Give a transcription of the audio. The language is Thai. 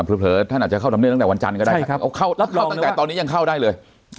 เผลอท่าหากจะเข้าทำเรียกตั้งแต่วันจันทร์ก็ได้และเข้าตัวนี้ก็เข้าได้เลย